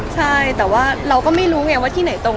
ใช่แต่ว่าเราก็ไม่รู้ไงว่าที่ไหนตรง